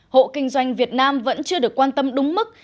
hộ kinh doanh việt nam vẫn chưa được quan tâm đúng mức